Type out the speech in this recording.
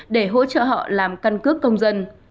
để hỗ trợ họ làm căn cước công dân